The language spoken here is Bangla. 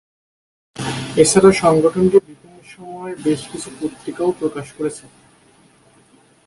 এছাড়া, সংগঠনটি বিভিন্ন সময়ে বেশ কিছু পত্রিকাও প্রকাশ করেছে।